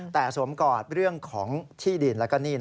แต่สวมกอดเรื่องของที่ดินและหนี้